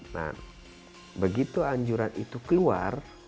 nah begitu anjuran itu keluar